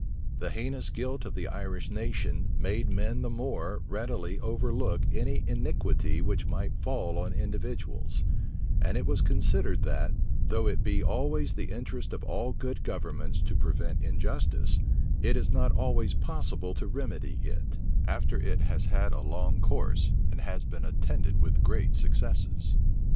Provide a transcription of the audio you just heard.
The heinous guilt of the Irish nation made men the more readily overlook any iniquity which might fall on individuals; and it was considered that, though it be always the interest of all good governments to prevent injustice, it is not always possible to remedy it, after it has had a long course, and has been attended with great successes.